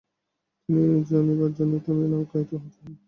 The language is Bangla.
তিনি জনি বা জন টমি নামে আখ্যায়িত হতেন।